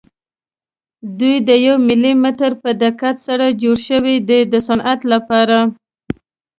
دوی د یو ملي متر په دقت سره جوړ شوي دي د صنعت لپاره.